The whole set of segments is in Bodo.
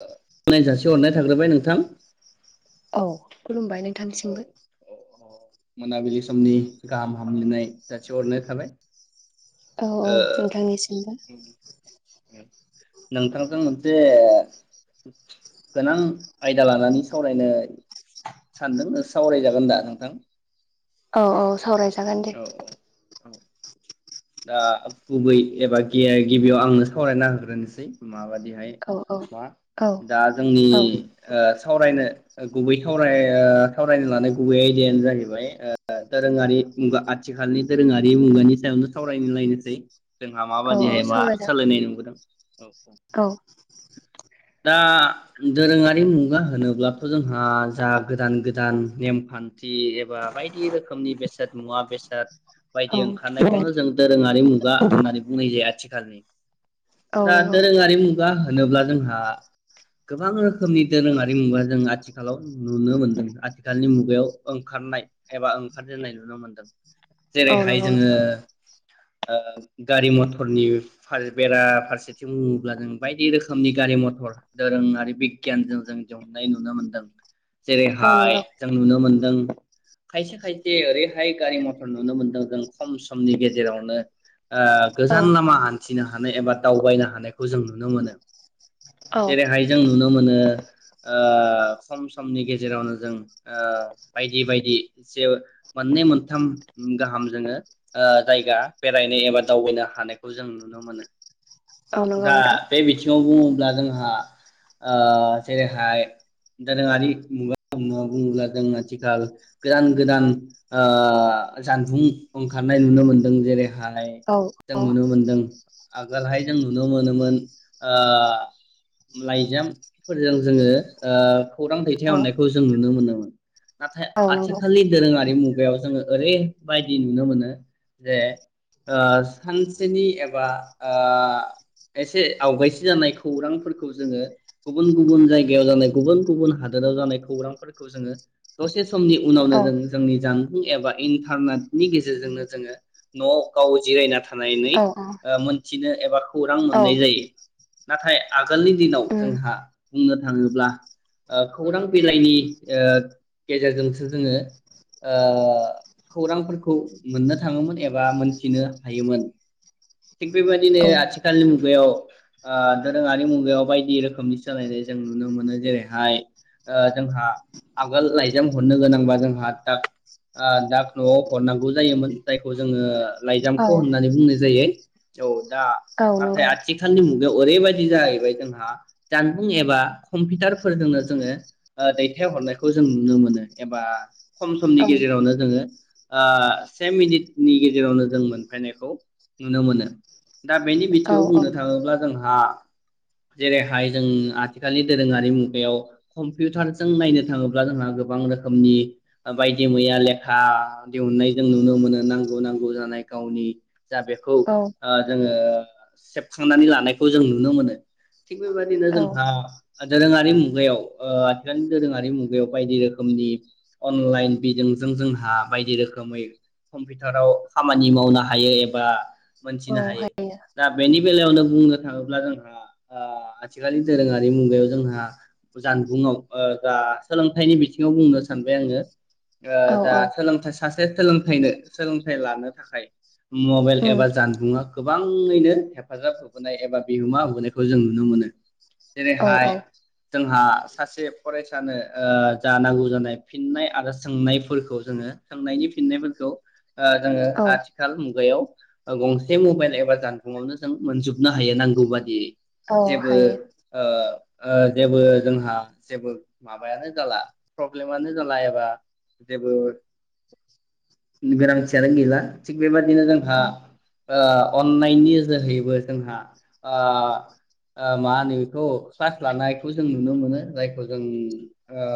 [unintelligible] हरनाय थाग्रोबाय नोंथां। औ। खुलुमबाय औ नोंथांनिसिमबो। औ मोनाबिलि समनि गाहाम हामलायनाय जासिहरनाय थाबाय। औ औ ओ नोंथांनिसिमबो। नोंथांखौ मोनसे गोनां आयदा लानानै सावरायनो सानदों सावराय जागोन दा नोंथां? औ औ सावरायजागोन दे औ औ औ दा गुबै एबा गि गिबियाव आंनो सावरायना होग्रोनोसै माबायदि हाय औ औ मा औ दा जोंनि औ ओ सावरायनो गुबै सावराय सावरायनो लानाय गुबै आयदायानो जाहैबाय ओ दोरोङारि मुगा आथिखालनि दोरोङारि मुगानि सायावनो सावरायनो लायनोसै जोंहा औ औ माबादिहाय मा सावरायजागोन सोलायनाय नुबोदों‌ दा दोरोङारि मुगा होनोब्लाथ' जोंहा जा गोदान गोदान नेमखान्थि एबा बायदि रोखोमनि बेसाद मुवा बेसाद औ बायदि ओंखारनाय नो जों दोरोङारि मुगा होननानै बुंनाय जायो आथिखालनि औ दा नंगौ दोरोङारि मुगा होनोब्ला जोंहा गोबां रोखोमनि दोरोङारि मुगा जों आथिखालाव नुनो मोनदों आथिखालनि मुगायाव ओंखारनाय एबा ओंखार जेेननाय नुनो मोनदों औ जेरैहाय नंगौ जोङो ओ गारि मटरनि बेरा फारसेथिं बुङोब्ला जों बायदि रोखोमनि गारि मथर दोरोङारि बिगियानजों जों दिहुननाय नुनो मोनदों नोंथां औ जेरैहाय नंगौ जों नुनो मोन दों खायसे खायसे ओरैहाय गारि मथर नुनो मोनदों जों खम समनि गेजेरावनो ओ औ गोजान लामा हान थिनो हानाय एबा दावबायनो हानायखौ जों नुनो मोनो औ जेरैहाय जों नुनो मोनो ओ खम समनि गेजेरावनो जों ओ बायदि बायदि जे मोननै मोनथाम गाहाम जोङो ओ जायगा बेरायनो एबा दावबायनो हानायखौ जों नुनो मोनो औ नंगौ दा नोंथां बे बिथिङाव दा जोंहा ओ जेरैहाय दोरोङारि मुगा बुङोब्ला जों आथिखाल गोदान गोदान ओ जानबुं खारनाय नुनो मोन्दों जेरै हाय औ जों नुनो मोनदों आगोलहाय जों नुनो मोनोमोन ओ लाइजामफोरजों जोङो ओ खौरां औ दैथायहरनायखौ जों नु नुनो मोनोमोन नाथाय औ नंगौ आथिखालनि दोरोङारि मुगायाव जोङो ओरै बायदि नुनो मोनो जे ओ सानसेनि एबा ओ एसे आवगायसि जानाय खौरांफोरखौ जोङो गुबुन गुबुन जायगायाव जानाय गुबुन गुबुन हादोराव जानाय खौरांफोरखौ जोङो दसे समनि औ उनावनो जों जोंनि जान एबा इन्टारनेट नि गेजेरजोंनो जोङो न' गाव जिरायना था नायनै औ ओ मोनथिनो एबा खौरां औ मोननाय जायो। नाथाय आ गोलनि दिनाव उम जोंहा बुंनो थांङोब्ला ओ खौरां बिलाइनि ओ गेजेरजोंसो जोङो ओ खौरांफोरखौ मोननो थांङोमोन एबा मोनथिनो हायोमोन। थिग बेबायदिनो औ आथिखालनि मु गायाव ओ दोरोंङारि मुगायाव बायदि रोखोमनि सोलायनाय जों नुनो मोनो जेरैहाय ओ जोंहा आगोल लाइजाम हरनो गोनांबा जोंहा दाक ओ दाक न'आव हरनांगौ जायोमोन जायखौ जोङो औ लाइजामख' होननानै बुंनाय जायो। औ दा औ नाथाय नंगौ आथिखालनि मु गायाव ओरैबायाददि जाहैबाय जोंहा जानबुं एबा कम्पिउटारफोरजोंनो जोङो ओ दैथायहरनायखौ जों नुनो मोनो एबा खम समनि औ गेजेरावनो जोङो आ से मिनिटनि गेजेरावनो जों मोनफैनायखौ नुनो मोनो। दा बेनि औ बिथिंङाव बुंनो थांङोब्ला जों हा जेरैहाय जों आथिखालनि दोरोंङारि मुगायाव कम्पिउटारजों नायनो थांङोब्ला जोंहा गोबां रोखोमनि बायदि मैया लेखा दिहुननाय जों नुनो मोनो नांगौ नांगौ जानाय गावनि जा बेखौ औ ओ जोङो ओ सेबखांनानै लानायखौ जों नुनो मोनो। थिग बेबायदिनो औ जोंहा दोरोंङारि मुगायाव ओ आथिखालनि दोरोंङारि मुगायाव बायदि रोखोमनि अनलाइन बिजोंजों जोंहा बायदि रोखोमै कम्पिउटाराव खामानि मावनो हायो एबा मोनथिनो हायो दा बेनि बेलायावनो बुंनो थाङोब्ला जोंहा ओ आथिखालनि दोरोङारि मुगायाव जोंहा जानबुंआव ओ जा सोलोंथाइनि बिथिंङाव बुंनो सानबाय आंङो। ओ औ जा औ सोलोंथाइ सासे सोलोंथाइनो सोलोंथाइ लानो थाखाय मबाइल उम एबा जानबुंङा गोबांङैनो हेफाजाब होबोनाय एबा बिहोमा होबोनायखौ जों नुनो मोनो। औ जेरैहाय औ जोंहा सासे फरायसानो ओ जा नांगौ जानाय फिननाय आरो सोंनायफोरखौ जोङो सोंनायनि फिननायफोरखौ ओ जोङो औ आथिखाल मुगायाव गंसे मबाइल एबा जानबुङावनो जों मोनजोबनो हायो नांगौ बादियै औ जेबो हायो ओ ओ जेबो जोंहा जेबो माबायानो जाला प्रब्लेमानो जाला एबा जेबो गोनांथियानो गैला थिग बेबाय दिनो जोंहा औ ओ अन्नायनि जोहैबो जोंहा आ ओ मा होनो बेखौ क्लास लानायखौ जों नुनो मोनो जायखौ जों ओ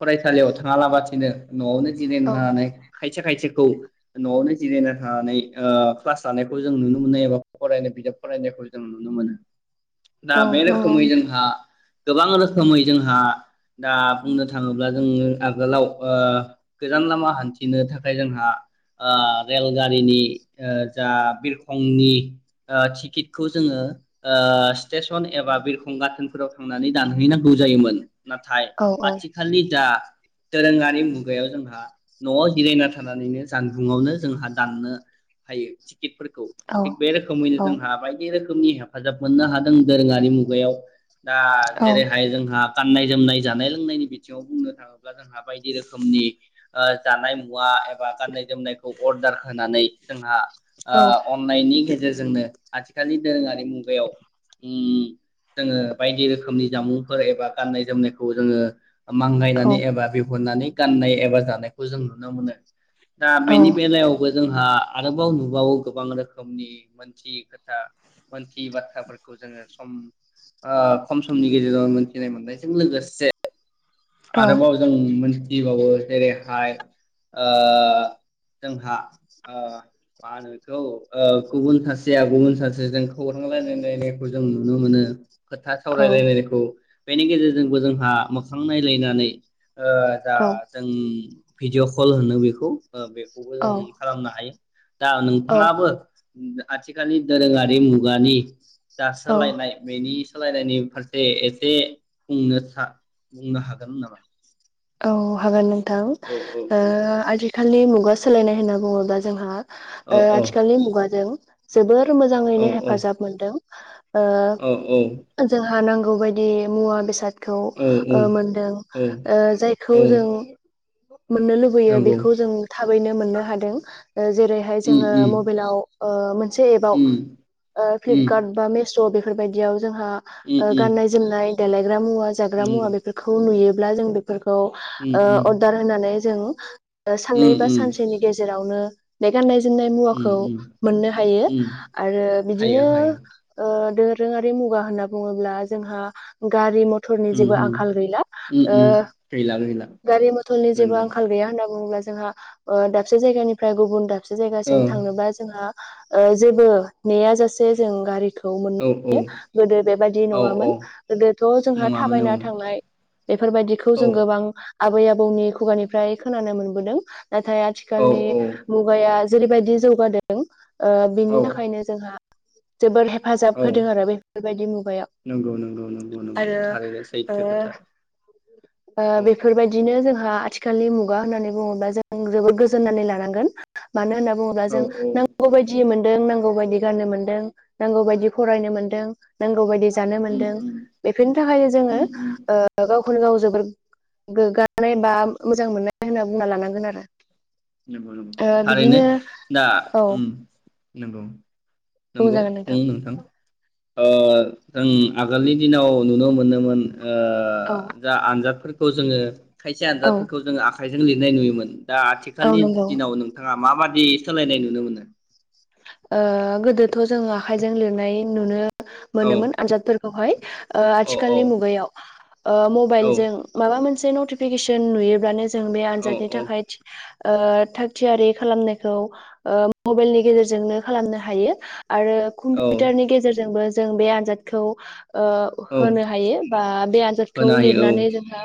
फरायसालियाव थाङालाबासिनो न'आवनो औ नानै खाय से खायसेखौ न'आवनो जिरायना थानानै ओ क्लास लानायखौ जों नुनो मोनो एबा फरायनाय बिजाब फरायनायखौ जों नुनो मोनो। दा औ बे नंगौ रोखोमै जोंहा गोबां रोखोमै जोंहा दा बुंनो थाङोब्ला जोंङो आगोलाव ओ गोजान लामा हान्थिनो थाखाय जोंहा ओ रेलगारिनि जा बिरखंनि ओ टिकेटखौ जोङो स्टेसन एबा बिरखं गाथोनफोराव थां थांनानै दानहैनांगौ जायोमोन नाथाय औ औ आथिखालनि दा दोरोङारि मुगायाव जोंहा न'आव जिरायना थानानैनो जानबुंआवनो जोंहा दाननो हायो किटफोरखौ औ थिग बे रोखोमैनो औ जोंहा बायदि रोखोम रोखोमनि हेफाजाब मोननो हादों दोरोङारि मुगायाव दा औ जेरैहाय जोंहा गाननाय जोमनाय जानाय लोंनायनि बिथिङाव बुंनो थाङोब्ला जोंहा बायदि रोखोमनि ओ जानाय मुवा एब बा गाननाय जोमनायखौ अर्डार होनानै जोंहा औ ओ अन्नायनि गेजेरजोंनो आथिखालनि दोरोङारि मुगायाव ओम जोङो बायदि रोखोमनि जामुंफोर एबा गान्नाय जोमनायखौ जोङो मांगायनानै एबा बिहरनानै गाननाय एबा जानाय खौ जों नुनो मोनो दा औ बेनि बेलायावबो जोंहा आरोबाव नुबावो गोबां रोखोमनि मोनथियि खोथा मोनथियि बाथ्राफोरखौ जोङो सम ओ खम समनि गेजेराव मोनथिनाय मोननायजों लोगोसे आरोबाव जों मोन थिबावो जेरैहाय ओ जोंहा ओ मा होनोखौ गुबुन सासेया गुबुन सासेजों खौरां रायलायलायनायखौ जों नुनो मोनो खोथा सावरायलायनायखौ बेनि गेजेरजोंबो जोंहा मोखांनाय ज्लायनानै ओ जा औ जों भिडिअ कल होनो बेखौ ओ बेखौबो जों खालामनो हायो दा नोंथाङाबो आथिखालि दोरोङारि मुगानि दासोलायनाय बेनि सोलायनायनि फारसे एसे बुंनो था बुंनो हागो नामा औ हागोन नों थां औ औ ओ आथि खालनि मुगा सोलायनाय होनना बुङोब्ला जोंहा औ ओ औ आथिखालनि मुगाजों जोबोद औ मोजाङैनो हेफाजाब मोनदों। [inaudible] ओ औ जोंहा नांग गौ बायदियै मुवा बेसाद खौ औ ओ मोनदों औ नंगौ उम ओ इखौ उम जों [inaudible] मोननो लुबैयो नंगौ बेखौ जों था थाबैनो मोननो हादों। ओ‌ जेरैहाय उम जोङो उम मबेलाव ओ मोनसे एबाव ओ उम फ्लिपकार्ट बा मेश बेफ फोर बायदियावस जोंहा ओ गाननाय जोमनाय देलाय ग्रा मुवा जाग्रा मुवा बेफोरखौ नुयोब ब्ला जों बेफ खौ ओ अरदार होनानै जों ओ साननै बा उम सानसेनि गेजेराव [unintelligible] बे गानायज जोमनाय उम मुवाखौ मोननो हायो उम आरो बिदिनो हायो हायो ओ दोरोङारि मुगा होनना बुङोब्ला जोंहा गारि मथ थरनि उम जेबो उम आंखाल गैला उम ओ गैला गैला गारि मथल नि जेबो नंगौ आंखाल गैया होना बुङोब्ला जोंहा ओ दाबसे जायगानिफ्राय गुबन दाब से औ जायगासिम थांनोबा जोंहा ओ जेबो नेयाजासे जों गारिख खौ मोननो औ हायो गोदो बेबायदि औ नङामोन औ गोदोथ' जोंहा नङामोन थाबायना थांनाय बेफोरबायदिख औ जों गोबां आबै आबौनि खुगानिफ्राय खोनानो मोनबोदों। नाथाय औ आथिखालनि औ मुगाया जेरैबायदि जौगादों ओ औ बिनि थाखायनो जोंहा जोबोर हेब हेफाजाब औ होदों आरो बेफोरबायदि मुगायाव नंगौ नंगौ नंगौ नंगौ आरो थारैनो सैथो ओ खोथा ओ औ बेफोरबायदि बिनो जोंहा आथिखालनि मुगा होननानै बुङोब्ला जों जोबोद गोजोननानै लानांगोन। मानो होनना बुङोब्ला औ जों औ नांगौ बायदि मोन जों नांगौ बादि गाननो मोनदों नांगौ बादि फरायनो मोनदों नांगौ बादि जानो उम मोनदों उम बेफोरनि थाखायनो उम जोङो उम ओ गाव‌ औ औ जोबोर गोग्गानाय बा मोजां मोननाय होनना बुंना लानांगोन आरो। नंगौ नंगौ ओ थारैनो बिदिनो दा औ उम नंगौ। नंगौ बुं नोंथां? ओ जों आगोलनि दिनाव नुनो मोनोमोन। ओ औ जा आनजादफोर खौ जोङो खायसे औ आनजादफोरखौ जोंङो आ आखाइजों लिरनाय नुयोमोन। दा आथिखालनि औ नंगौ दिनाव नोंथाङा माबादि सोलायनाय नुनो मोनो? ओ गोदोथ' जों आखाइजों लिरनाय नुनो औ मोनोमोन आनजादफोरखौहाय ओ औ औ आथिखालनि मुगायाव औ मबाइलजों माबा मोन मोनसे नतिफिकेसन नुयोब्लानो जो जों बे औ आनजादनि औ थाखाय ओ थाग थियारि खालामनायखौ ओ मबेलनि गेजेरजो जोंनो खालामनो हायो। आरो औ कम्पिउटारनि गेजेरजोंबो जों बे आनजादखौ ओ औ होनो हायो बा बे आनजादखौ होनो हायो लिरनानै जोंहा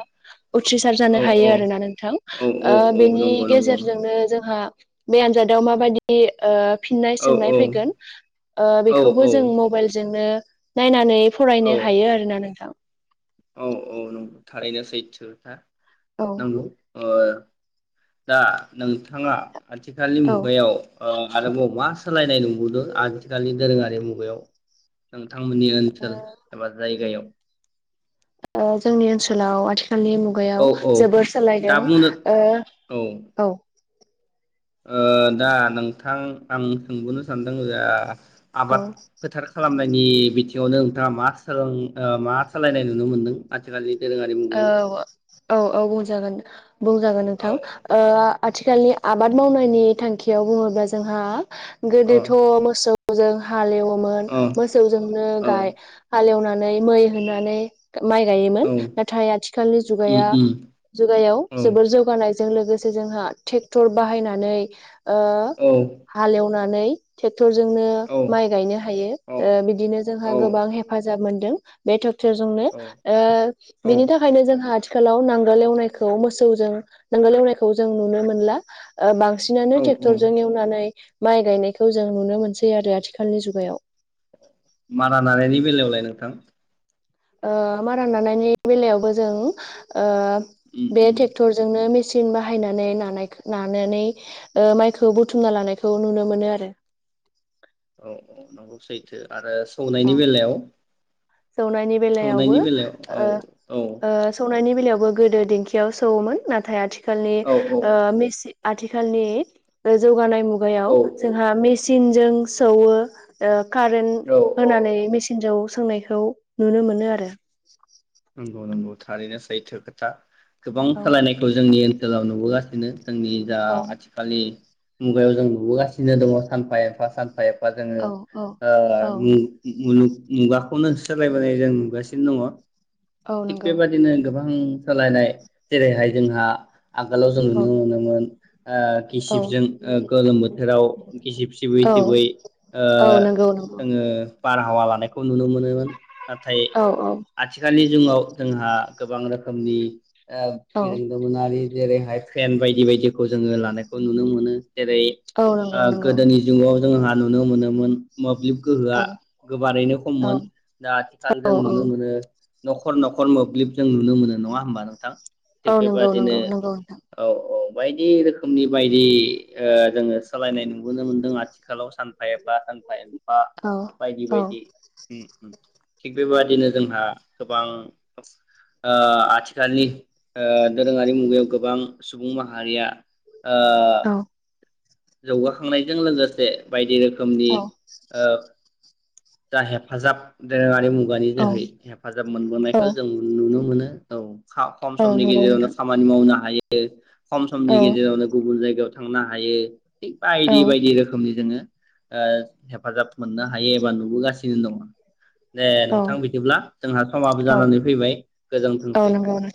उथ्रिसार औ जानो हायो आरोना नोंथां। औ ओ औ औ बेनि नंगौ नंगौ गेजेरजोंनो जोंहा बे आनजादाव माबादि ओ फिननाय औ सोंनाय फैगोन ओ औ बेखौबो जों मबाइलजोंनो नायनानै औ फरायनो हायो आरोना नोंथां। औ औ नों थारैनो सैथो खोथा। औ नोंगौ ओ दा नोंथाङा आथिखालनि औ ओ मुगायाव ओ आरोबाव मा सालायनाय नुबोदो आथिखालनि दोरोङारि मुगायाव थांमोननि ओनसोल एबा जायगायाव। ओ जोंनि ओनसोलाव आथि खालनि औ मुगायाव औ जोबोर दा सोलायदों। बुंनो ओ औ औ ओ दा नोंथां आं सोंबावनो सानदों जा औ आबाद फोथार खालामनायनि बिथिं [unintelligible] नोंथाङा मा सोलों मा सालायनाय नुनो मोनदों आथिखालिनि। औ औ औ बुंजागोन-बुंजागोन औ नोंथां ओ आथिखालनि आबाद मावनायनि थांखियाव बुङोब्ला जोंहा औ गोदोथ' मोसौ जों हा हाल एवोमोन अ मोसौजोंनो अ औ गाय हाल एवनानै मै-मै होनानै माइ गायोमोन। औ नाथाय आथिखालनि उम जुगाया जुगायाव उम जोबोर जौगानाय। जों लोगोसे जोंहा थेकथर बाहायनानै ओ औ हालेव नानै थेक क्टर जोंनो औ माइ गायनो हायो औ ओ बिदिनो जोंहा औ गोबां हेफाजा जाब मोनदों बे तप थोरजोंनो औ जोंनो ओ औ बेनि थाखायनो जों आथिखालाव नांगोल एवनायखौ मोसौजों नांगोल एवनायखौ जों नुनो मोनला ओ बांसिन बांसिनानो औ औ ट्रेक्टरजों एवनानै माइ गायनायखौ जों नुनो मोनसै आरो आथिखालनि जुगायाव। मारा नानायनि बेलायावलाय नोंथां। ओ मारा नानायनि बेलायावबो जों ओ उम बे उम ट्रेक्टरजोंनो मेस सन बाहायनानै नानायखो नानानै ओ माइखौ बुथुमना लानायखौ नुनो मोनो आरो। औ औ नंगौ सैथो आरो औ सौनायनि बेलायाव सौनायनि बेलायावबो सौनायनि बेलायाव औ ओ औ ओ सौनायनि बेलायाव गोदो दिंखियाव सौवोमोन नाथाय आथिखाल आथिखालनि औ ओ मिसि आथिखालनि जौगानाय मुगा याव औ जोंहा मेसिन जों सौवो ओ औ कारेन्ट औ होनानै मेसिनजों सोंनाय खौ नुनो मोनो आरो नंगौ नंगौ थारैनो सैथो खोथा गोबां औ सोलायनायखौ जोंनि ओन सोलाव नुबोगासिनो जोंनि जा औ आथिखालनि मुगायाव जों नुबोगासिनो दङ सानफा एफा सानफा एफा बा जोङो औ औ ओ औ मु मुलुग मुगाखौनो सोलायबोनाय जों नुगासिनो दङ औ थिग नंगौ बेबादिनो गोबां सोलायनाय जेरैहाय जोंहा आगोलाव जों औ नुनो मोनोमोन ओ औ गिसिबजों ओ गोलोम बोथोराव गिसिब सिबै औ सिबै ओ औ नंगौ नंगौ जोङो बारहावा लानाय नुनो मोनोमोन नाथाय औ औ आथि आथिखााललि जुगाव जोंहा गोबां रोखोमनि आ औ [unintelligible] बुनारि जेरैहाय फेन बायदि बायदिखौ जोङो लानायखौ नुनो मोनो जेरै औ ओ नंगौ नंगौ गोदोनि जुगाव जोंहा नुनो मोनोमोन मोब्लिब गोहोआ औ गोबारैनो औ खममोन दा आथिखाल औ जों औ नुनो मोनो न'खर न'खर मोब्लिब जों नुनो मोनो नङा होमबा नोंथां थिग औ नंगौ बेबादिनो नंगौ नंगौ नोंथां औ औ बायदि रोखोमनि बायदि ओ जोङो सोलायनाय नुबोनो मोनदों आथिखालाव सानफा एफा सानफा ए बा बायदि औ बायदि थिग बेबादिनो जोंहा गोबां ओ आथिखालनि ओ दोरोङारि मुगायाव गोबां सुबुं माहारिया ओ जौगाखांनायजों लोगोसे बायदि रोखोम रोखोमनि ओ जा हेफाजाब दोरोङारि मु मगानि औ जोहै हे हेाजाब औ मोनबोनायखौ जों नुनो मोनो औ का खम औ समनि नंगौ नोंथां गेजेरावनो खामानि मावनो हायो ए खम औ समनि गेजरावनो गुबुन जायगा बियाव थांनो हायो थि बायदि औ बायदि रोखोमनि जोङो ओ हेफाजाब मोननो हायो एबा नुबोगासिनो दंमोन दे औ नोंथां बिदिब्ला जोंहा समाबो औ जानानै फैबाय औ गोजोंथोंसै। नंगौ नोंथां